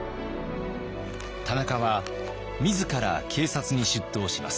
田中は自ら警察に出頭します。